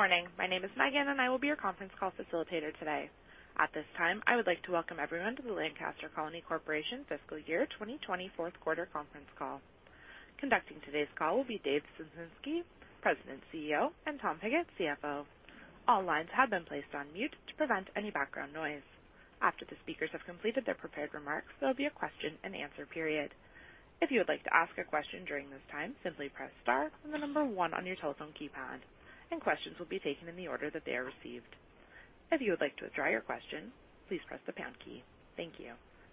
Good morning. My name is Megan and I will be your conference call facilitator today. At this time I would like to welcome everyone to the Lancaster Colony Corporation Fiscal Year 2020 Fourth Quarter Conference Call. Conducting today's call will be Dave Ciesinski, President CEO, and Tom Pigott, CFO. All lines have been placed on mute to prevent any background noise. After the speakers have completed their prepared remarks, there will be a question and answer period. If you would like to ask a question during this, simply press star and the number one on your telephone keypad and questions will be taken in the order that they are received. If you would like to withdraw your question, please press the pound key. Thank you.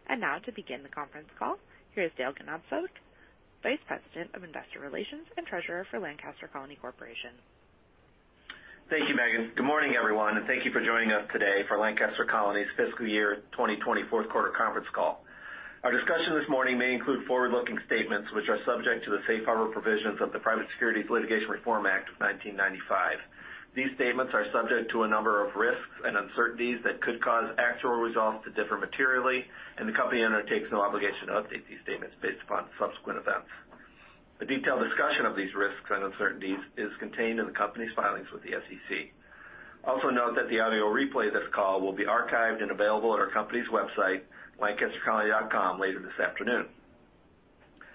To begin the conference call, here is Dale Ganobsik, Vice President of Investor Relations and Treasurer for Lancaster Colony Corporation. Thank you, Megan. Good morning everyone and thank you for joining us today for Lancaster Colony's fiscal year 2020 fourth quarter conference call. Our discussion this morning may include forward-looking statements which are subject to the safe harbor provisions of the Private Securities Litigation Reform Act of 1995. These statements are subject to a number of risks and uncertainties that could cause actual results to differ materially and the company undertakes no obligation to update these statements based upon subsequent events. A detailed discussion of these risks and uncertainties is contained in the company's filings with the SEC. Also note that the audio replay of this call will be archived and available at our company's website, lancastercolony.com later this afternoon.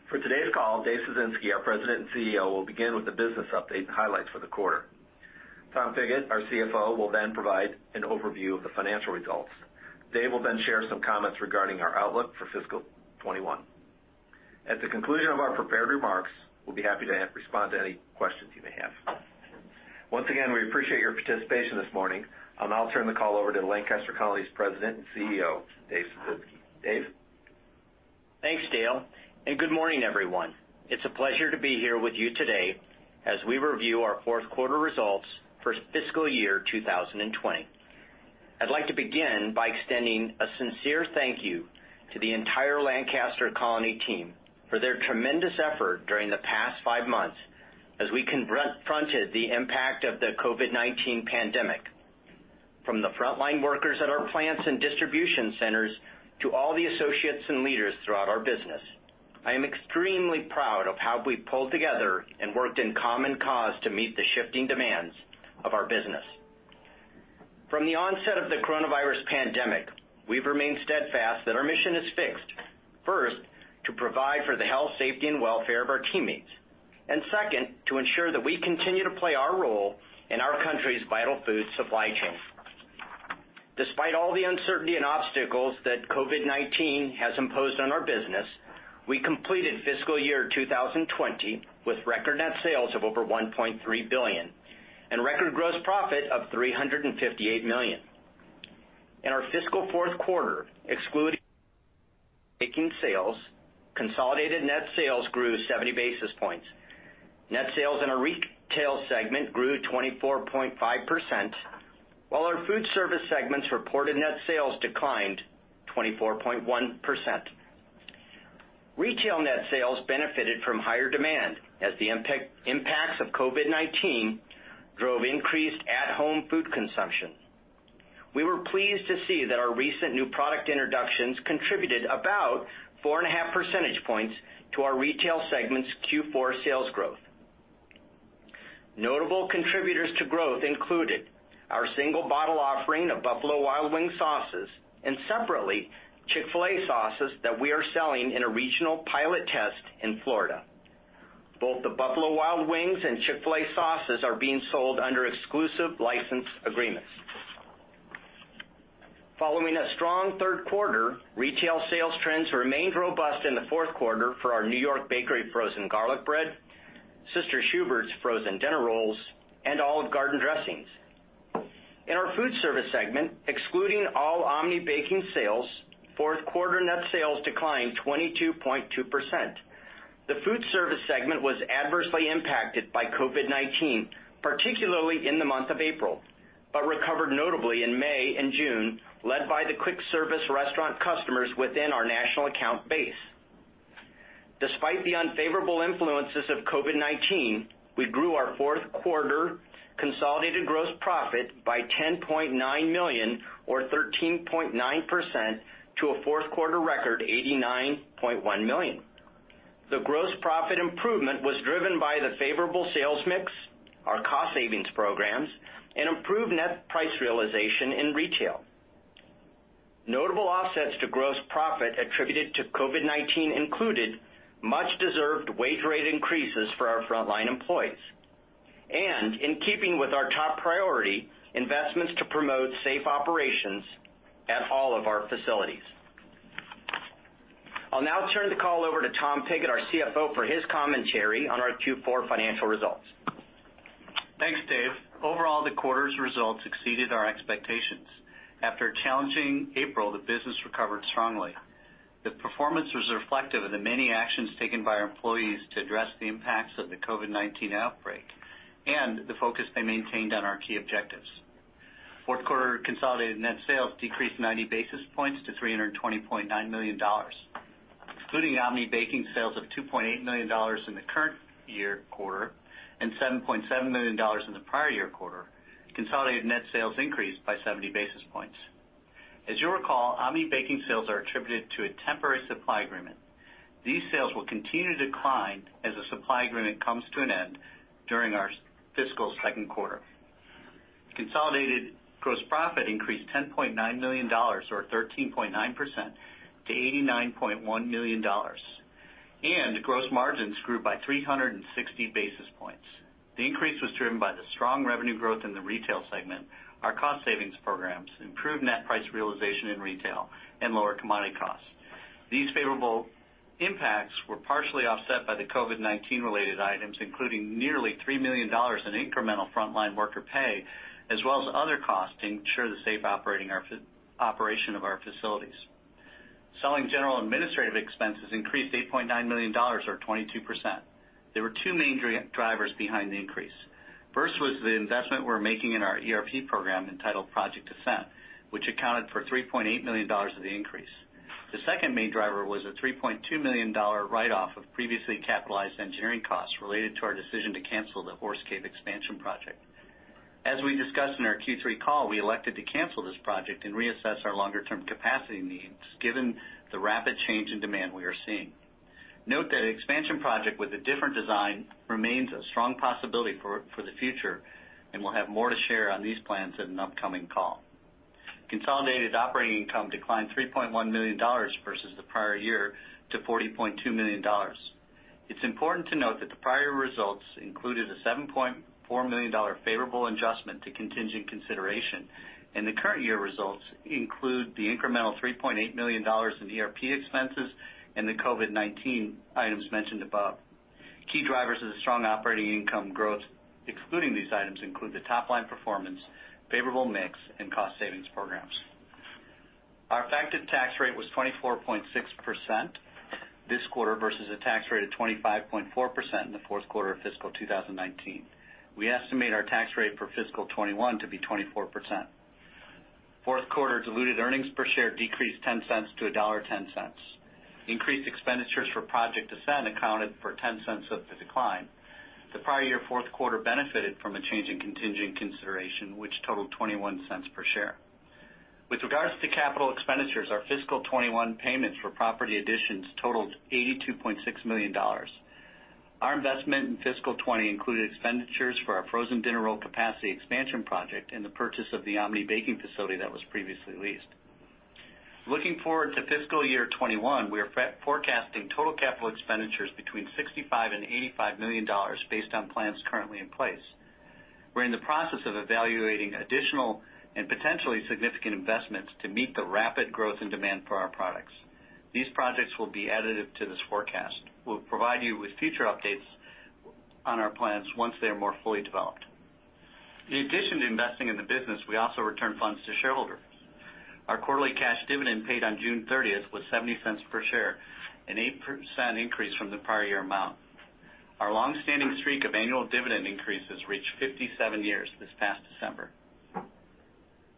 For today's call, Dave Ciesinski, our President and CEO, will begin with a business update and highlights for the quarter. Tom Pigott, our CFO, will then provide an overview of the financial results. Dave will then share some comments regarding our outlook for fiscal 2021. At the conclusion of our prepared remarks, we'll be happy to respond to any questions you may have. Once again, we appreciate your participation this morning. Now I'll turn the call over to Lancaster Colony's President and CEO, Dave Ciesinski. Dave? Thanks, Dale, and good morning everyone. It's a pleasure to be here with you today as we review our fourth quarter results for fiscal year 2020. I'd like to begin by extending a sincere thank you to the entire Lancaster Colony team for their tremendous effort during the past five months as we confronted the impact of the COVID-19 pandemic. From the frontline workers at our plants and distribution centers to all the associates and leaders throughout our business, I am extremely proud of how we pulled together and worked in common cause to meet the shifting demands of our business. From the onset of the coronavirus pandemic, we've remained steadfast that our mission is fixed first, to provide for the health, safety and welfare of our teammates and second, to ensure that we continue to play our role in our country's vital food supply chain despite all the uncertainty and obstacles that COVID-19 has imposed on our business. We completed fiscal year 2020 with record net sales of over $1.3 billion and record gross profit of $358 million. In our fiscal fourth quarter, excluding making sales, consolidated net sales grew 70 basis points. Net sales in our Retail segment grew 24.5% while our Foodservice segments reported net sales declined 24.1%. Retail net sales benefited from higher demand as the impacts of COVID-19 drove increased at home food consumption. We were pleased to see that our recent new product introductions contributed about 4.5 percentage points to our Retail segment's Q4 sales growth. Notable contributors to growth included our single bottle offering of Buffalo Wild Wings sauces and separately Chick-fil-A sauces that we are selling in a regional pilot test in Florida. Both the Buffalo Wild Wings and Chick-fil-A sauces are being sold under exclusive license agreements. Following a strong third quarter, retail sales trends remained robust in the fourth quarter for our New York Bakery frozen garlic bread, Sister Schubert's Frozen Dinner Rolls and Olive Garden dressings. In our Foodservice segment, excluding all Omni Baking sales, fourth quarter net sales declined 22.2%. The Foodservice segment was adversely impacted by COVID-19, particularly in the month of April, but recovered notably in May and June, led by the quick service restaurant customers within our national account base. Despite the unfavorable influences of COVID-19, we grew our fourth quarter consolidated gross profit by $10.9 million or 13.9%, to a fourth quarter record $89.1 million. The gross profit improvement was driven by the favorable sales mix, our cost savings programs and improved net price realization in retail. Notable offsets to gross profit attributed to COVID-19 included much deserved wage rate increases for our frontline employees and in keeping with our top priority investments to promote safe operations at all of our facilities. I'll now turn the call over to Tom Pigott, our CFO, for his commentary on our Q4 financial results. Thanks, Dave. Overall, the quarter's results exceeded our expectations. After a challenging April, the business recovered strongly. The performance was reflective of the many actions taken by our employees to address the impacts of the COVID-19 outbreak and the focus they maintained on our key objectives. Fourth quarter consolidated net sales decreased 90 basis points to $320.9 million including Omni Baking sales of $2.8 million in the current year quarter and $7.7 million in. The prior year quarter. Consolidated net sales increased by 70 basis points. As you recall, Omni Baking sales are attributed to a temporary supply agreement. These sales will continue to decline as a supply agreement comes to an end. During our fiscal second quarter, consolidated gross profit increased $10.9 million, or 13.9% to $89.1 million and gross margins grew by 360 basis points. The increase was driven by the strong revenue growth in the Retail segment. Our cost savings programs improved net price realization in retail and lower commodity costs. These favorable impacts were partially offset by the COVID-19 related items including nearly $3 million in incremental frontline worker pay as well as other costs to ensure the safe operation of our facilities. Selling general administrative expenses increased $8.9 million or 22%. There were two main drivers behind the increase. First was the investment we're making in our ERP program entitled Project Ascent, which accounted for $3.8 million of the increase. The second main driver was a $3.2 million write off of previously capitalized engineering costs related to our decision to cancel the Horse Cave expansion project. As we discussed in our Q3 call, we elected to cancel this project and reassess our longer term capacity needs, given the rapid change in demand we are seeing. Note that an expansion project with a different design remains a strong possibility for the future and we'll have more to share on these plans in an upcoming call. Consolidated operating income declined $3.1 million versus the prior year to $40.2 million. It's important to note that the prior results included a $7.4 million favorable adjustment to contingent consideration and the current year results include the incremental $3.8 million in ERP expenses and the COVID-19 items mentioned above. Key drivers of the strong operating income growth, excluding these items, include the top line performance, favorable mix and cost savings programs. Our effective tax rate was 24.6% this quarter versus a tax rate of 25.4% in the fourth quarter of fiscal 2019. We estimate our tax rate for fiscal 2021 to be 24%. Fourth quarter diluted earnings per share decreased $0.10 to $1.10. Increased expenditures for Project Ascent accounted for $0.10 of the decline. The prior year fourth quarter benefited from a change in contingent consideration which totaled $0.21 per share. With regards to capital expenditures, our fiscal 2021 payments for property additions totaled $82.6 million. Our investment in fiscal 2020 included expenditures for our Frozen Dinner Roll capacity expansion project and the purchase of the Omni Baking facility that was previously leased. Looking forward to fiscal year 2021, we are forecasting total capital expenditures between $65 million and $85 million based on plans currently in place. We're in the process of evaluating additional and potentially significant investments to meet the rapid growth in demand for our products. These projects will be additive to this forecast. We'll provide you with future updates on our plans once they are more fully developed. In addition to investing in the business, we also returned funds to shareholders. Our quarterly cash dividend paid on June 30th was $0.70 per share, an 8% increase from the prior year amount. Our long standing streak of annual dividend increases reached 57 years this past December.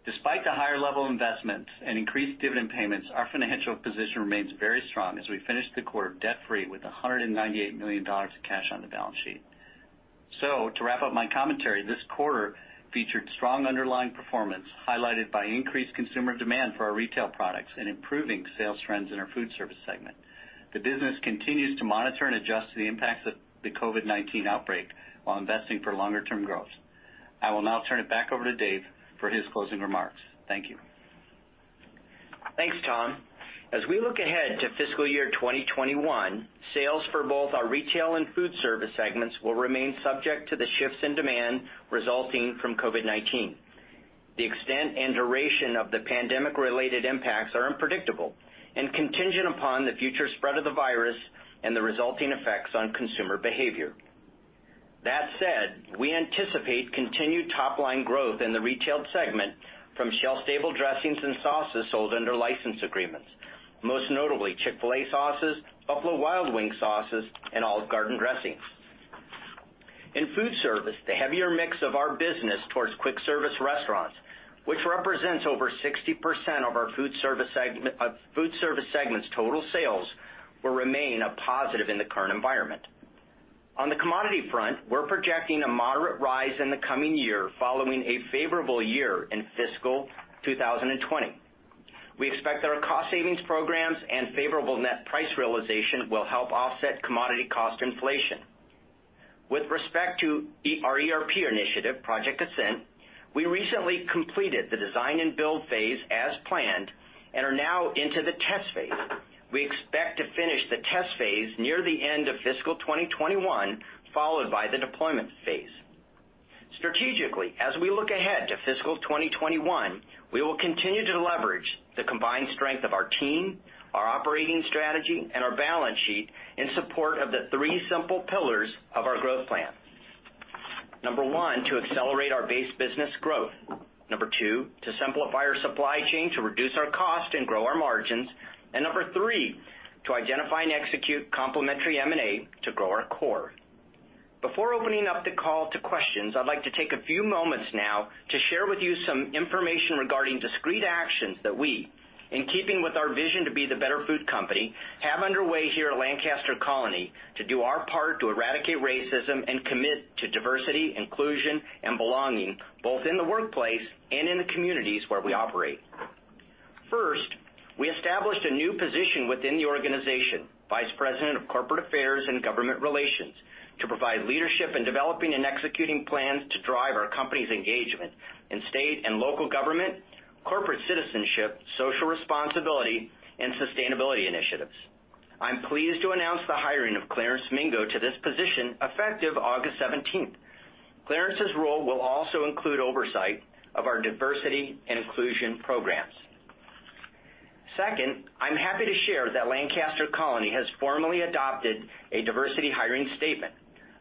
Despite the higher level investments and increased dividend payments, our financial position remains very strong as we finished the quarter debt free with $198 million of cash on the balance sheet. To wrap up my commentary, this quarter featured strong underlying performance highlighted by increased consumer demand for our retail products and improving sales trends in our Foodservice segment. The business continues to monitor and adjust to the impacts of the COVID-19 outbreak while investing for longer term growth. I will now turn it back over to Dave for his closing remarks. Thank you. Thanks Tom. As we look ahead to fiscal year 2021, sales for both our retail and Foodservice segments will remain subject to the shifts in resulting from COVID-19. The extent and duration of the pandemic related impacts are unpredictable and contingent upon the future spread of the virus and the resulting effects on consumer behavior. That said, we anticipate continued top line growth in the Retail segment from shelf stable dressings and sauces sold under license agreements, most notably Chick-fil-A sauces, Buffalo Wild Wings sauces and Olive Garden dressings. In foodservice, the heavier mix of our business towards quick service restaurants, which represents over 60% of our Foodservice segment's total sales, will remain a positive in the current environment. On the commodity front, we're projecting a moderate rise in the coming year. Following a favorable year in fiscal 2020. We expect that our cost savings programs and favorable net price realization will help offset commodity cost inflation. With respect to our ERP initiative, Project Ascent, we recently completed the design and build phase as planned and are now into the test phase. We expect to finish the test phase near the end of fiscal 2021 followed by the deployment phase. Strategically, as we look ahead to fiscal 2021, we will continue to leverage the combined strength of our team, our operating strategy and our balance sheet in support of the three simple pillars of our growth plan. Number one, to accelerate our base business growth. Number two, to simplify our supply chain, to reduce our cost and grow our margins. Number three, to identify and execute complementary M&A to grow our core. Before opening up the call to questions, I'd like to take a few moments now to share with you some information regarding discrete actions that we, in keeping with our vision to be the better food company, have underway here at Lancaster Colony to do our part to eradicate racism and commit to diversity, inclusion and belonging both in the workplace and in the communities where we operate. First, we established a new position within the organization, Vice President of Corporate Affairs and Government Relations, to provide leadership in developing and executing plans to drive our company's engagement in state and local government, corporate citizenship, social responsibility and sustainability initiatives. I'm pleased to announce the hiring of Clarence Mingo to this position, effective August 17th. Clarence's role will also include oversight of our diversity and inclusion programs. Second, I'm happy to share that Lancaster Colony has formally adopted a diversity hiring statement,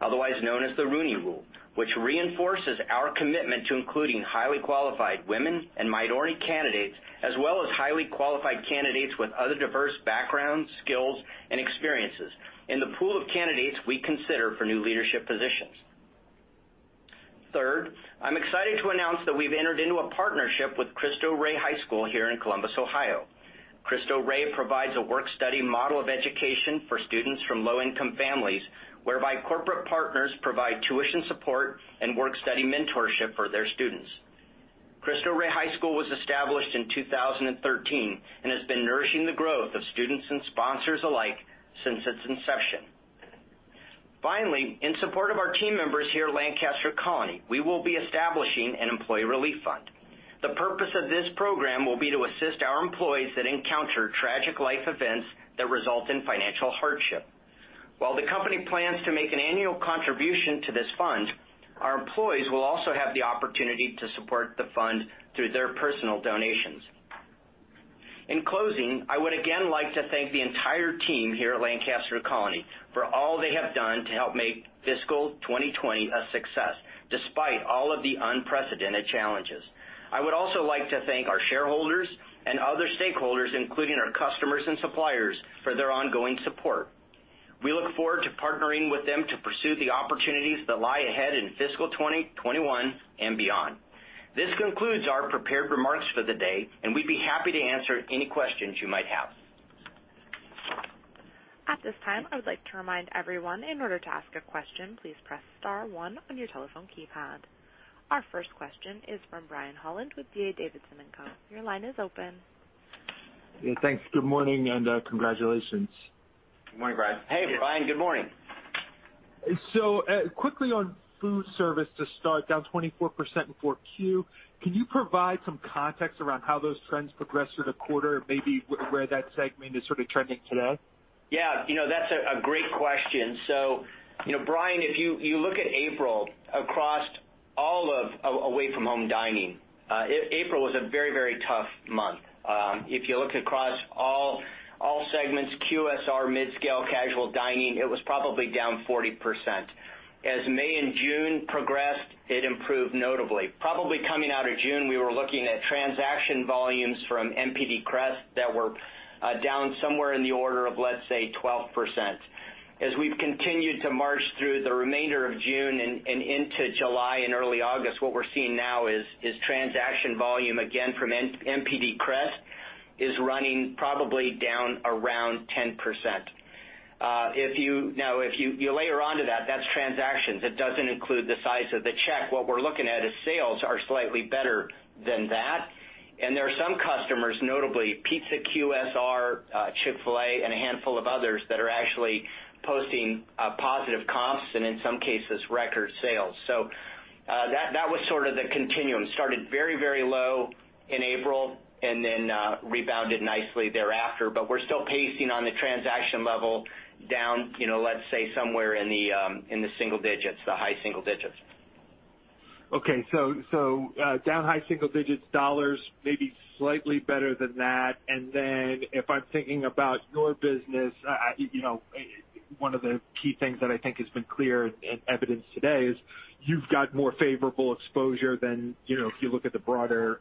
otherwise known as the Rooney Rule, which reinforces our commitment to including highly qualified women and minority candidates as well as highly qualified candidates with other diverse backgrounds, skills and experiences in the pool of candidates we consider for new leadership positions. Third, I'm excited to announce that we've entered into a partnership with Cristo Rey High School here in Columbus, Ohio. Cristo Rey provides a work study model of education for students from low income families whereby corporate partners provide tuition, support and work study mentorship for their students. Cristo Rey High School was established in 2013 and has been nourishing the growth of students and sponsors alike since its inception. Finally, in support of our team members here at Lancaster Colony, we will be establishing an Employee Relief Fund. The purpose of this program will be to assist our employees that encounter tragic life events that result in financial hardship. While the company plans to make an annual contribution to this fund, our employees will also have the opportunity to support the fund through their personal donations. In closing, I would again like to thank the entire team here at Lancaster Colony for all they have done to help make fiscal 2020 a success despite all of the unprecedented challenges. I would also like to thank our shareholders and other stakeholders, including our customers and suppliers, for their ongoing support. We look forward to partnering with them to pursue the opportunities that lie ahead in fiscal 2021 and beyond. This concludes our prepared remarks for the day and we'd be happy to answer any questions you might have. At this time, I would like to remind everyone, in order to ask a question, please press star one on your telephone keypad. Our first question is from Brian Holland with D.A. Davidson & Co. Your line is open. Thanks. Good morning and congratulations. Good morning, Brian. Hey, Brian. Good morning. Quickly on foodservice, to start, down 24% in 4Q. Can you provide some context around how those trends progressed through the quarter? Maybe where that segment is sort of trending today? Yeah, you know, that's a great question. Brian, if you look at April across all of away from home dining, April was a very, very tough month. If you look across all segments, QSR, Mid Scale, Casual Dining, it was probably down 40%. As May and June progressed, it improved notably. Probably coming out of June, we were looking at transaction volumes from NPD CREST that were down somewhere in the order of, let's say, 12%. As we've continued to march through the remainder of June and into July and early August, what we're seeing now is transaction volume again from NPD CREST is running probably down around 10%. Now, if you layer onto that, that's transactions, it doesn't include the size of the check. What we're looking at is sales are slightly better than that. There are some customers, notably pizza, QSR, Chick-fil-A and a handful of others that are actually posting positive comps and in some cases record sales. That was sort of the continuum. Started very, very low in April and then rebounded nicely thereafter. We're still pacing on the transaction level down, let's say somewhere in the single digits, the high single digits. Okay, so down high single digits, dollars, maybe slightly better than that. If I'm thinking about your business, one of the key things that I think has been clear and evident today is you've got more favorable exposure than if you look at the broader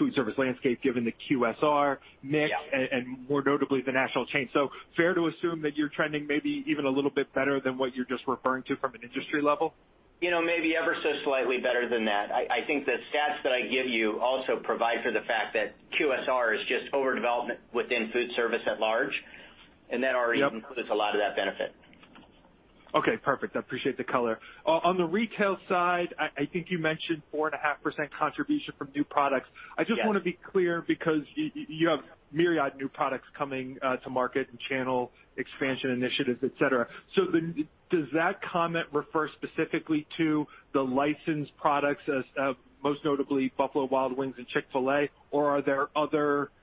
foodservice landscape given the QSR mix and more notably the national chain. Fair to assume that you're trending maybe even a little bit better than what you're just referring to from an industry level. Maybe ever so slightly better than that. I think the stats that I give you also provide for the fact that QSR is just overdevelopment within foodservice at large. That already includes a lot of that benefit. Okay, perfect. I appreciate the color. On the retail side, I think you mentioned 4.5% contribution from new products. I just want to be clear because you have myriad new products coming to market and channel expansion initiatives, et cetera. Does that comment refer specifically to the licensed products, most notably Buffalo Wild Wings and Chick-fil-A, or are there other contributors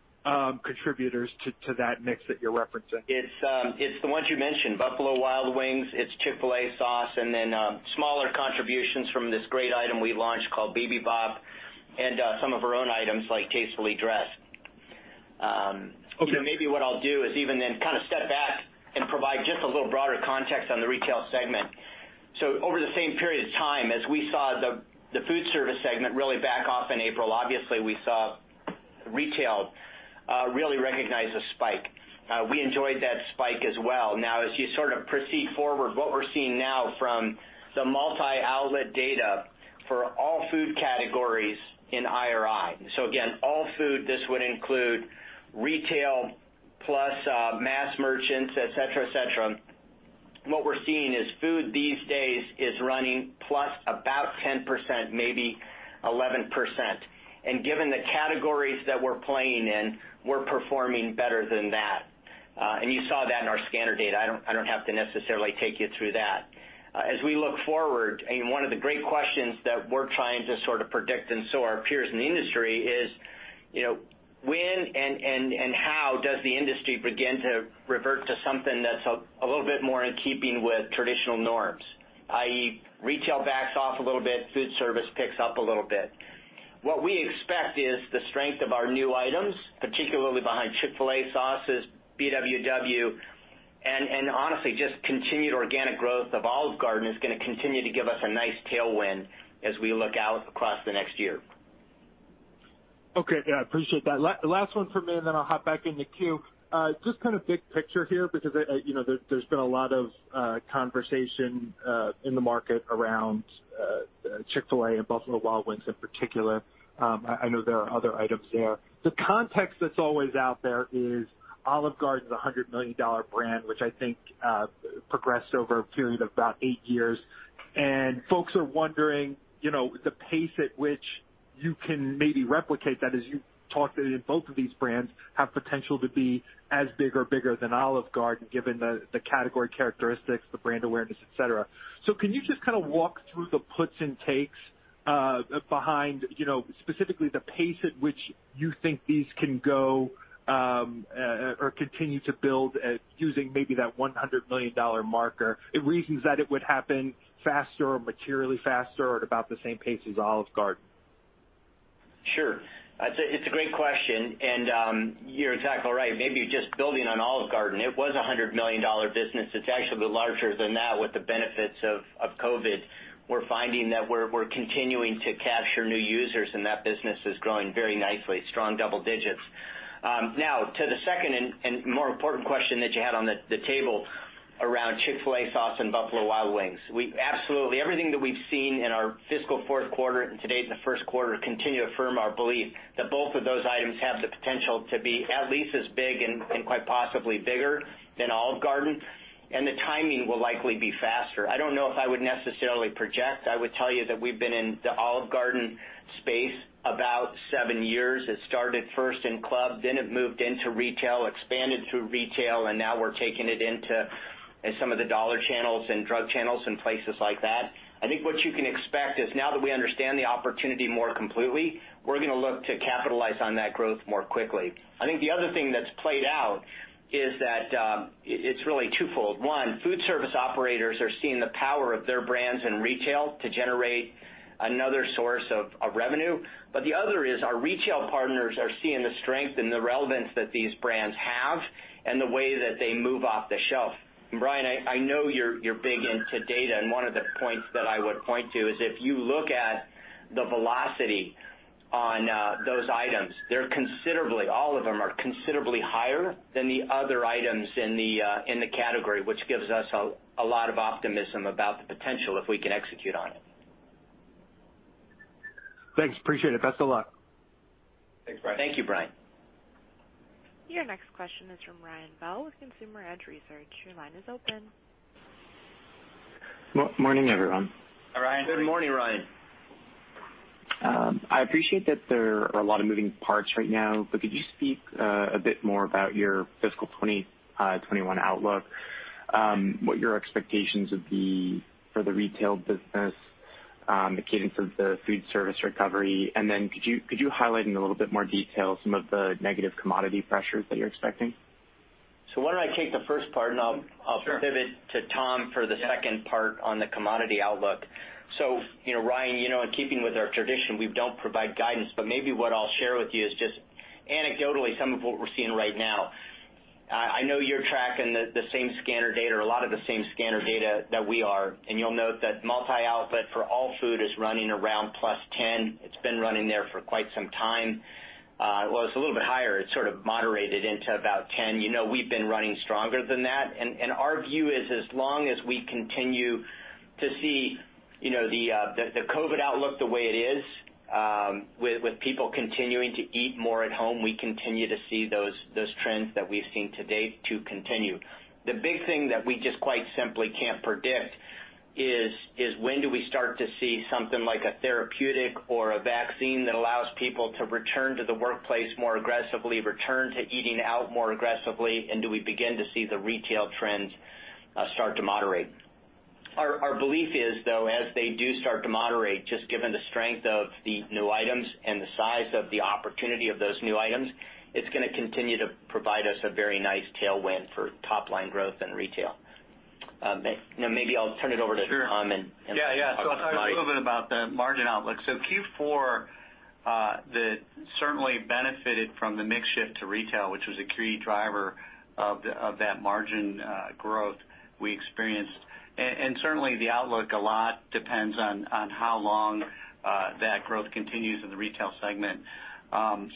to that mix that you're referencing? It's the ones you mentioned, Buffalo Wild Wings, it's Chick-fil-A sauce. And then smaller contributions from this great item we launched called BIBIBOP. And some of our own items like Tastefully Dressed. Maybe what I'll do is even then kind of step back and provide just a little broader context on the Retail segment. Over the same period of time as we saw the Foodservice segment really back off in April, obviously we saw retail really recognize a spike. We enjoyed that spike as well. Now, as you sort of proceed forward, what we're seeing now from the multi-outlet data for all food categories in IRI. Again, all food, this would include retail plus mass merchants, et cetera, et cetera. What we're seeing is food these days is running plus about 10%, maybe 11%. Given the categories that we're playing in, we're performing better than that. You saw that in our scanner data. I don't have to necessarily take you through that. As we look forward, one of the great questions that we're trying to sort of predict, and so are our peers in the industry, is when and how does the industry begin to revert to something that's a little bit more in keeping with traditional norms? That is, retail backs off a little bit, foodservice picks up a little bit. What we expect is the strength of our new items, particularly behind Chick-fil-A sauces, Buffalo Wild Wings, and honestly, just continued organic growth of Olive Garden, is going to continue to give us a nice tailwind as we look out across the next year. Okay, I appreciate that. Last one for me and then I'll hop back in the queue. Just kind of big picture here because you know, there's been a lot of conversation in the market around Chick-fil-A and Buffalo Wild Wings in particular. I know there are other items there. The context that's always out there is Olive Garden's $100 million brand, which I think progressed over a period of about eight years. And folks are wondering, you know, the pace at which you can maybe replicate that. As you talked in, both of these brands have potential to be as big or bigger than Olive Garden, given the category characteristics, the brand awareness, etc. Can you just kind of walk through the puts and takes behind specifically the pace at which you think these can go or continue to build using maybe that $100 million marker, reasons that it would happen faster or materially faster or at about the same pace as Olive Garden? Sure. It's a great question and you're exactly right. Maybe just building on Olive Garden, it was a $100 million business. It's actually larger than that. With the benefits of COVID we're finding that we're continuing to capture new users and that business is growing very nicely. Strong double digits. Now to the second and more important question that you had on the table around Chick-fil-A sauce and Buffalo Wild Wings. We absolutely, everything that we've seen in our fiscal fourth quarter and to date in the first quarter continue to affirm our belief that both of those items have the potential to be at least as big and quite possibly bigger than Olive Garden. The timing will likely be faster. I don't know if I would necessarily project. I would tell you that we've been in the Olive Garden space about seven years. It started first in club, then it moved into retail, expanded through retail, and now we're taking it into some of the dollar channels and drug channels and places like that. I think what you can expect is now that we understand the opportunity more completely, we're going to look to capitalize on that growth more quickly. I think the other thing that's played out is that it's really twofold. One, foodservice operators are seeing the power of their brands in retail to generate another source of revenue. The other is our retail partners are seeing the strength and the relevance that these brands have and the way that they move off the shelf. Brian, I know you're big into data, and one of the points that I would point to is if you look at the velocity on those items, they're considerably, all of them are considerably higher than the other items in the category, which gives us a lot of optimism about the potential if we can execute on it. Thanks. Appreciate it. Best of luck. Thanks, Brian. Thank you, Brian. Your next question is from Ryan Bell with Consumer Edge Research. Your line is open. Morning, everyone. Good morning, Ryan. I appreciate that there are a lot of moving parts right now, but could you speak a bit more about your fiscal 2021 outlook, what your expectations would be for the retail business, the cadence of the foodservice recovery, and then could you highlight in a little bit more detail some of the negative commodity pressures that you're expecting? Why don't I take the first part and I'll pivot to Tom for the second part on the commodity outlook. Ryan, you know, in keeping with our tradition, we don't provide guidance, but maybe what I'll share with you is just anecdotally some of what we're seeing right now. I know you're tracking the same scanner data or a lot of the same scanner data that we are. You'll note that multi output for all food is running around plus 10%. It's been running there for quite some time. It's a little bit higher. It sort of moderated into about 10%. You know, we've been running stronger than that. Our view is as long as we see, you know, the COVID-19 outlook the way it is with people continuing to eat more at home, we continue to see those trends that we've seen to date continue. The big thing that we just quite simply can't predict is when do we start to see something like a therapeutic or a vaccine that allows people to return to the workplace more aggressively, return to eating out more aggressively, and do we begin to see the retail trends start to moderate? Our belief is though as they do start to moderate, just given the strength of the new items and the size of the opportunity of those new items, it's going to continue to provide us a very nice tailwind for top line growth in retail. Maybe I'll turn it over to Tom. A little bit about the margin outlook. Q4 certainly benefited from the mix shift to retail which was a key driver of that margin growth we experienced. Certainly the outlook, a lot depends on how long that growth continues in the Retail segment.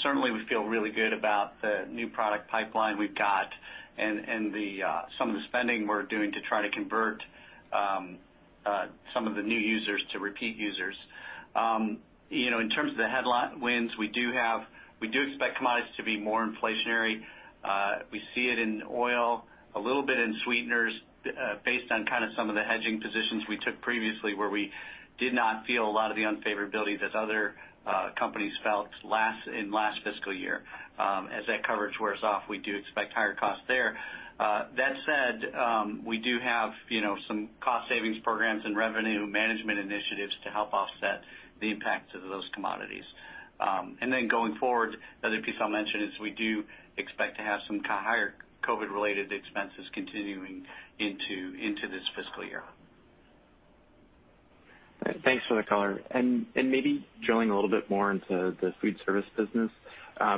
Certainly we feel really good about the new product pipeline we've got and some of the spending we're doing to try. To convert. Some of the new users to repeat users. In terms of the headlock wins we do have, we do expect commodities to be more inflationary. We see it in oil a little bit in sweeteners based on kind of some of the hedging positions we took previously where we did not feel a lot of the unfavorability that other companies felt in last fiscal year. As that coverage wears off, we do. Expect higher costs there. That said, we do have some cost savings programs and revenue management initiatives to help offset the impacts of those commodities. Going forward, the other piece I'll mention is we do expect to have some higher COVID-19 related expenses continuing into this fiscal year. Thanks for the color. Maybe drilling a little bit more into the foodservice business.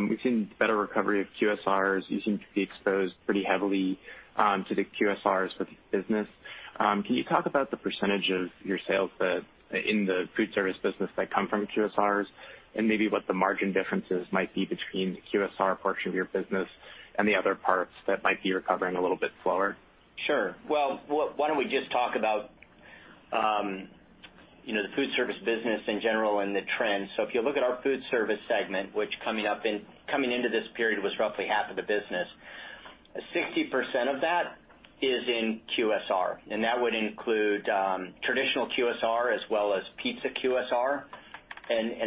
We've seen better recovery of QSRs. You seem to be exposed pretty heavily to the QSRs for the business. Can you talk about the percentage of your sales in the foodservice business that come from QSRs and maybe what the margin differences might be between the QSR portion of your business and the other parts that might be recovering a little bit slower? Sure. Why don't we just talk about, you know, the foodservice business in general and the trends. If you look at our Foodservice segment, which coming into this period was roughly half of the business, 60% of that is in QSR. That would include traditional QSR as well as pizza QSR.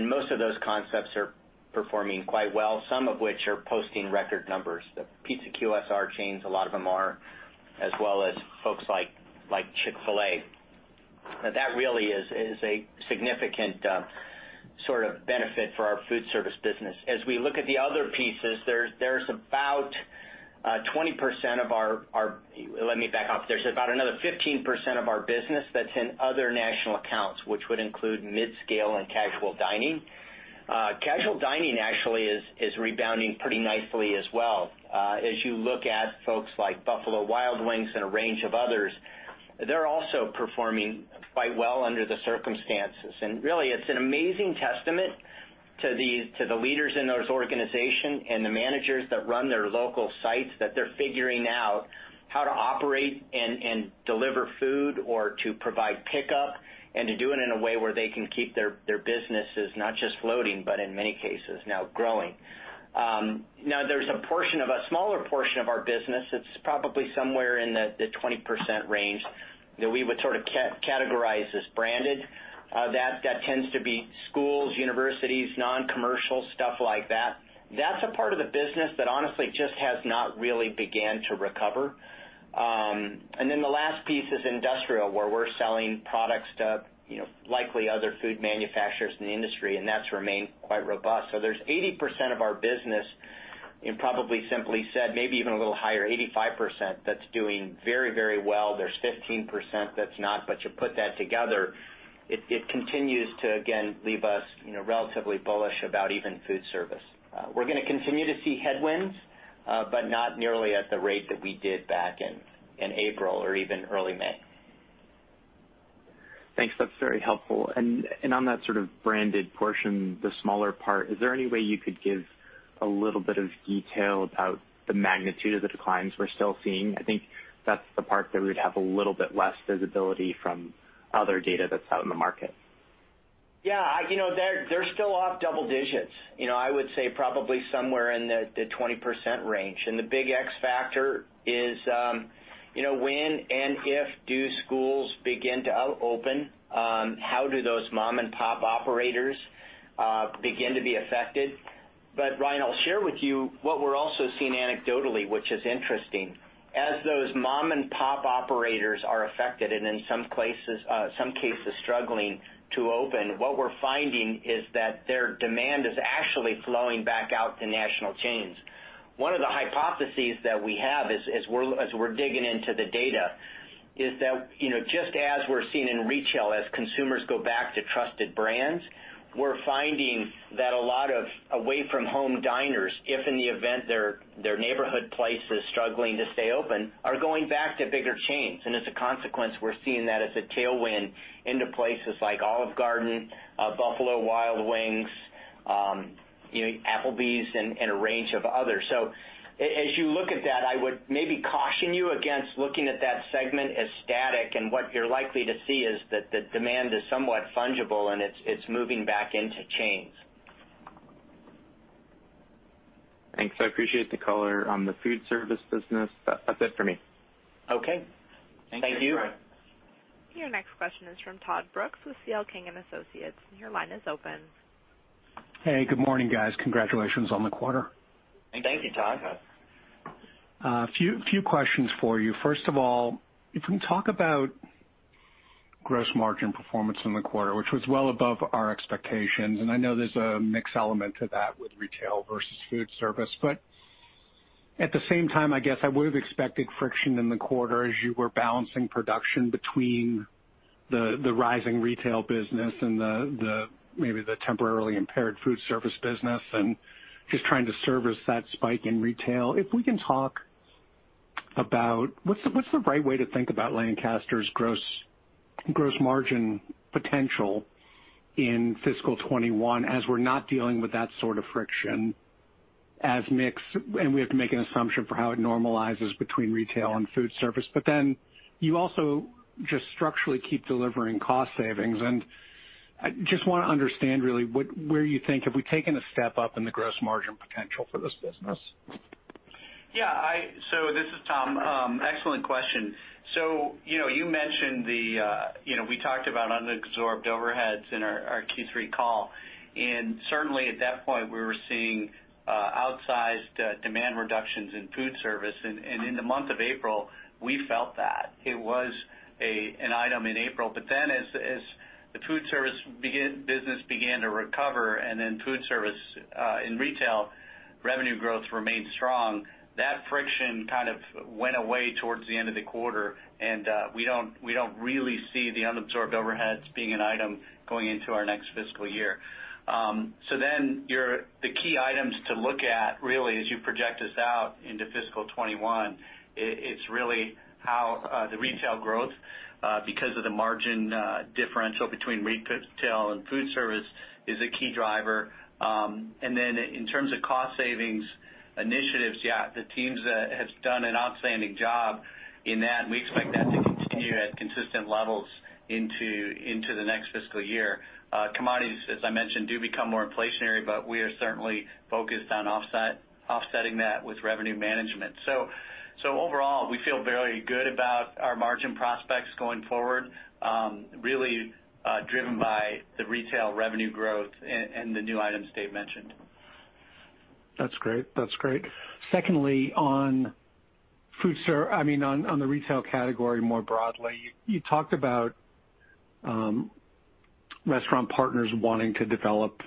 Most of those concepts are performing quite well, some of which are posting record numbers. The pizza QSR chains, a lot of them are, as well as folks like Chick-fil-A. That really is a significant sort of benefit for our foodservice business. As we look at the other pieces, there's about 20% of our—let me back off. There's about another 15% of our business that's in other national accounts, which would include mid scale and casual dining. Casual dining actually is rebounding pretty nicely as well as you look at folks like Buffalo Wild Wings and a range of others, they're also performing quite well under the circumstances. It is an amazing testament to the leaders in those organizations and the managers that run their local sites that they're figuring out how to operate and deliver food or to provide pickup and to do it in a way where they can keep their businesses not just floating, but in many cases now growing. Now there's a portion, a smaller portion of our business. It's probably somewhere in the 20% range that we would sort of categorize as branded. That tends to be schools, universities, non commercial stuff like that. That's a part of the business that honestly just has not really begun to recover. The last piece is industrial, where we're selling products to likely other food manufacturers in the industry. That has remained quite robust. There is 80% of our business and probably, simply said, maybe even a little higher, 85% that's doing very, very well. There is 15% that's not. You put that together, it continues to again leave us relatively bullish about even foodservice. We're going to continue to see headwinds, but not nearly at the rate that we did back in April or even early May. Thanks, that's very helpful. On that sort of branded portion, the smaller part, is there any way you could give a little bit of detail about the magnitude of the declines we're still seeing? I think that's the part that we would have a little bit less visibility. From other data that's out in the market. Yeah, you know, they're still off double digits. You know, I would say probably somewhere in the 20% range. The big X factor is when and if do schools begin to open? How do those mom and pop operators begin to be affected? Ryan, I'll share with you what we're also seeing anecdotally, which is interesting, as those mom and pop operators are affected and in some cases struggling to open. What we're finding is that their demand is actually flowing back out to national chains. One of the hypotheses that we have as we're digging into the data is that just as we're seeing in retail, as consumers go back to trusted brands, we're finding that a lot of away from home diners, if in the event their neighborhood place is struggling to stay open, are going back to bigger chains. As a consequence, we're seeing that as a tailwind into places like Olive Garden, Buffalo Wild Wings, Applebee's and a range of others. As you look at that, I would maybe caution you against looking at that segment as static. What you're likely to see is that the demand is somewhat fungible and it's moving back into chains. Thanks. I appreciate the color on the foodservice business. That's it for me. Okay, thank you. Your next question is from Todd Brooks with C.L. King and Associates. Your line is open. Hey, good morning, guys. Congratulations on the quarter. Thank you, Todd. Few questions for you. First of all, if we can talk about gross margin performance in the quarter, which was well above our expectations, and I know there's a mix element to that with retail versus foodservice, but at the same time, I guess I would have expected friction in the quarter as you were balancing production between the rising retail business and maybe the temporarily impaired foodservice business and just trying to service that spike in retail. If we can talk about what's the right way to think about Lancaster's gross margin potential in fiscal 2021, as we're not dealing with that sort of friction as mix, and we have to make an assumption for how it normalizes between retail and foodservice. You also just structurally keep delivering cost savings. I just want to understand really where you think, have we taken a step up in the gross margin potential for this business? Yes. This is. Tom, excellent question. You mentioned the. We talked about unabsorbed overheads in our Q3 call. Certainly at that point, we were seeing outsized demand reductions in foodservice. In the month of April, we felt that it was an item in April. As the foodservice business began to recover, and foodservice and retail revenue growth remained strong, that friction kind of went away towards the end of the quarter. We do not really see the unabsorbed overheads being an item going into our next fiscal year. The key items to look at really, as you project us out into fiscal 2021, are really how the retail growth, because of the margin differential between retail and foodservice, is a key driver. In terms of cost savings initiatives, yes, the teams have done an outstanding job in that, and we expect that to continue at consistent levels into the next fiscal year. Commodities, as I mentioned, do become more inflationary, but we are certainly focused on offsetting that with revenue management. Overall, we feel very good about our margin prospects going forward, really driven by the retail revenue growth and the new items Dave mentioned. That's great. That's great. Secondly, on food, I mean, on the retail category more broadly, you talked about restaurant partners wanting to develop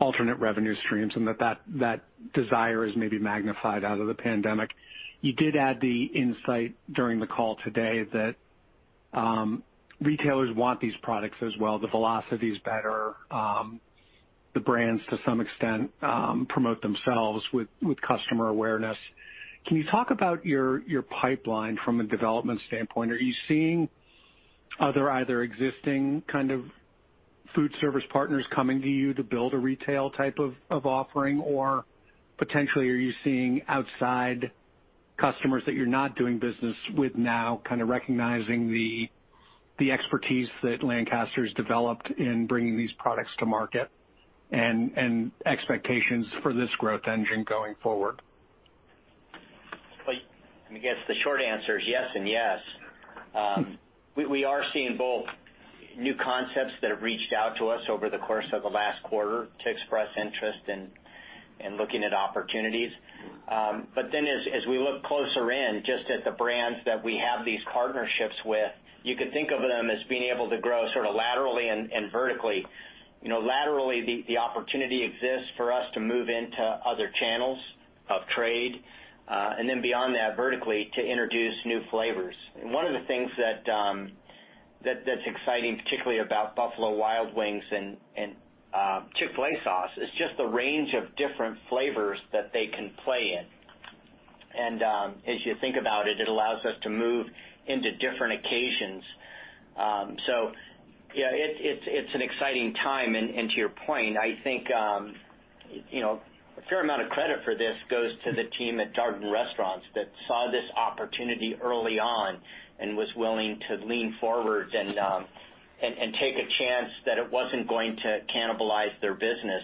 alternate revenue streams and that. That desire is maybe magnified out of the pandemic. You did add the insight during the call today that retailers want these products as well. The velocity is better. The brands, to some extent, promote themselves with customer awareness. Can you talk about your pipeline from a development standpoint? Are you seeing other either existing kind of foodservice partners coming to you to build a retail type of offering, or potentially are you seeing outside customers that you're not doing business with now, kind of recognizing the expertise that Lancaster has developed in bringing these products to market and expectations for this growth engine going forward? I guess the short answer is yes and yes. We are seeing both new concepts that have reached out to us over the course of the last quarter to express interest in looking at opportunities. As we look closer in, just at the brands that we have these partnerships with, you could think of them as being able to grow sort of laterally and vertically. You know, laterally, the opportunity exists for us to move into other channels, trade, and then beyond that, vertically to introduce new flavors. One of the things that's exciting, particularly about Buffalo Wild Wings and Chick-fil-A sauces, is just the range of different flavors that they can play in. As you think about it, it allows us to move into different occasions. It is an exciting time. To your point, I think a fair amount of credit for this goes to the team at Darden Restaurants that saw this opportunity early on and was willing to lean forward and take a chance that it was not going to cannibalize their business.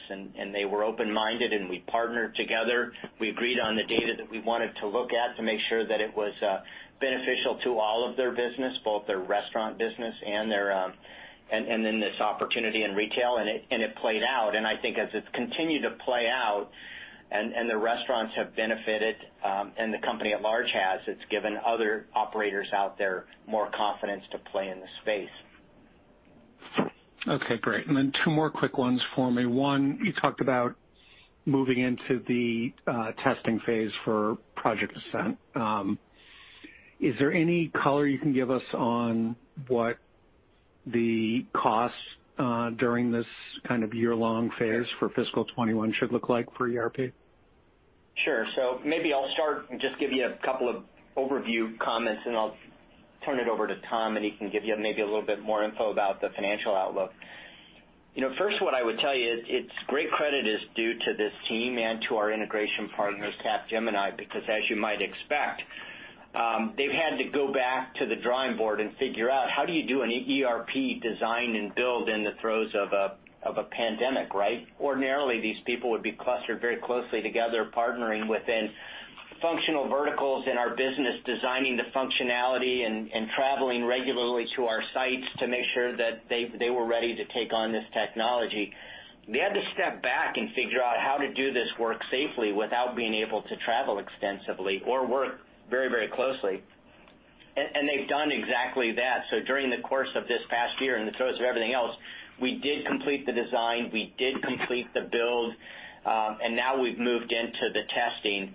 They were open minded and we partnered together, we agreed on the data that we wanted to look at to make sure that it was beneficial to all of their business, both their restaurant business and then this opportunity in retail. It played out. I think as it has continued to play out and the restaurants have benefited and the company at large has, it has given other operators out there more confidence to play in the space. Okay, great. Two more quick ones for me. One, you talked about moving into the testing phase for Project Ascent. Is there any color you can give us on what the cost during this kind of year long phase for fiscal 2021 should look like for ERP? Sure. Maybe I'll start and just give you a couple of overview comments and I'll turn it over to Tom and he can give you maybe a little bit more info about the financial outlook. First, what I would tell you, it's great credit is due to this team and to our integration partners, Capgemini, because, as you might expect, they've had to go back to the drawing board and figure out how do you do an ERP design and build in the throes of a pandemic. Right. Ordinarily, these people would be clustered very closely together, partnering within functional verticals in our business, designing the functionality and traveling regularly to our sites to make sure that they were ready to take on this technology. They had to step back and figure out how to do this work safely without being able to travel extensively or work very, very closely. They have done exactly that. During the course of this past year, in the throes of everything else, we did complete the design, we did complete the build, and now we have moved into the testing.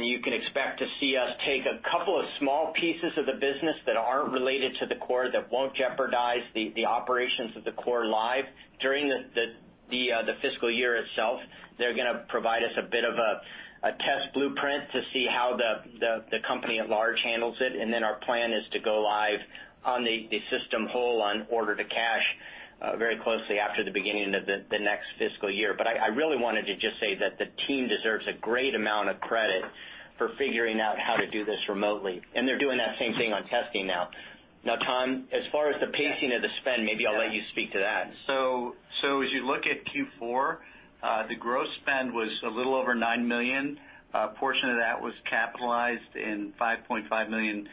You can expect to see us take a couple of small pieces of the business that are not related to the core, that will not jeopardize the operations of the core, live during the fiscal year itself. They are going to provide us a bit of a test blueprint to see how the company at large handles it. Our plan is to go live on the system whole on order to cash very closely after the beginning of the next fiscal year. I really wanted to just say that the team deserves a great amount of credit for figuring out how to do this remotely. They are doing that same thing on testing now. Now, Tom, as far as the pacing of the spend, maybe I'll let you speak to that. As you look at Q4, the gross spend was a little over $9 million. A portion of that was capitalized and $5.5 million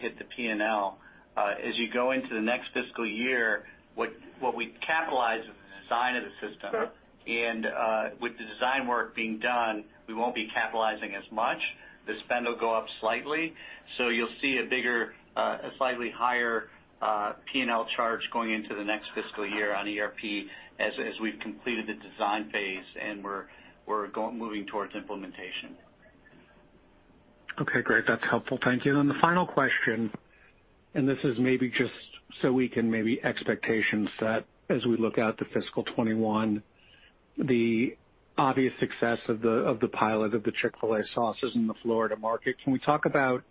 hit the P&L as you go into the next fiscal year. What we capitalize is the design of the system. With the design work being done, we will not be capitalizing as much. The spend will go up slightly. You will see a slightly higher P&L charge going into the next fiscal year on ERP as we have completed the design phase and we are moving towards implementation. Okay, great. That's helpful. Thank you. The final question, and this is maybe just so we can maybe expectations that as we look out to fiscal 2021, the obvious success of the pilot of the Chick-fil-A sauces in the Florida market. Can we talk about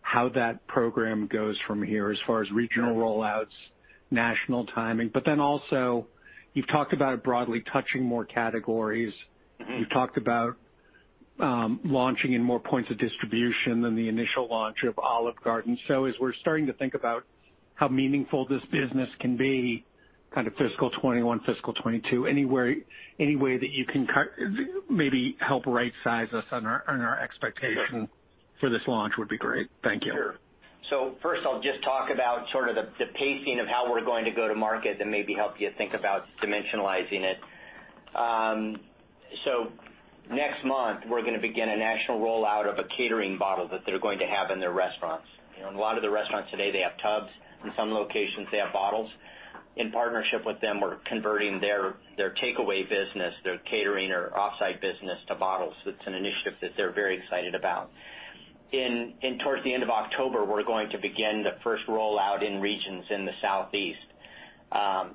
how that program goes from here as far as regional rollouts, national timing. You have talked about it broadly touching more categories, you have talked about launching in more points of distribution than the initial launch of Olive Garden. As we are starting to think about how meaningful this business can be, kind of fiscal 2021, fiscal 2022, anywhere, any way that you can maybe help. Right. Size us on our expectation for this launch would be great. Thank you. First, I'll just talk about sort of the pacing of how we're going to go to market and maybe help you think about dimensionalizing it. Next month we're going to begin a national rollout of a catering bottle that they're going to have in their restaurants. A lot of the restaurants today have tubs. In some locations, they have bottles. In partnership with them, we're converting their takeaway business, their catering or off site business, to bottles. That's an initiative that they're very excited about. Towards the end of October, we're going to begin the first rollout in regions in the Southeast. On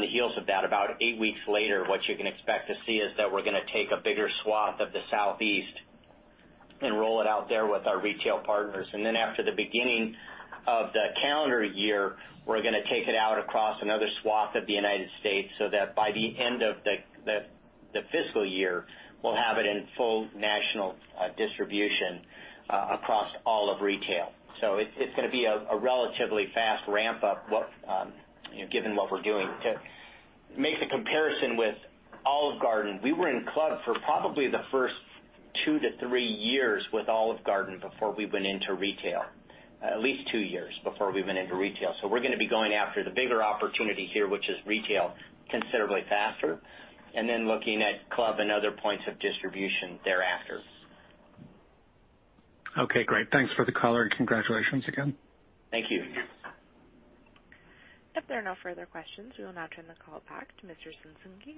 the heels of that, about eight weeks later, what you can expect to see is that we're going to take a bigger swath of the Southeast and roll it out there with our retail partners. After the beginning of the calendar year, we're going to take it out across another swath of the United States so that by the end of the fiscal year, we'll have it in full national distribution across all of retail. It's going to be a relatively fast ramp up, given what we're doing to make the comparison with Olive Garden. We were in club for probably the first two to three years with Olive Garden before we went into retail, at least two years before we went into retail. We're going to be going after the bigger opportunity here, which is retail considerably faster, and then looking at club and other points of distribution thereafter. Okay, great. Thanks for the color. And congratulations again. Thank you. If there are no further questions, we will now turn the call back to Mr. Ciesinski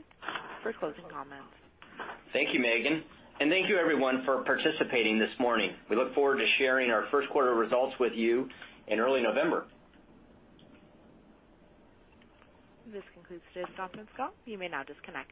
for closing comments. Thank you, Megan. Thank you, everyone, for participating this morning. We look forward to sharing our first quarter results with you in early November. This concludes today's conference call. You may now disconnect.